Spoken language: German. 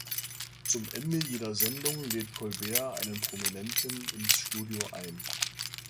Zum Ende jeder Sendung lädt Colbert einen Prominenten ins Studio ein.